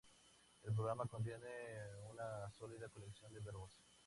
El programa contiene una sólida colección de verbos.